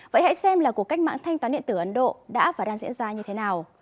vậy hãy xem là cuộc cách mạng thanh toán điện tử ấn độ đã và đang diễn ra như thế nào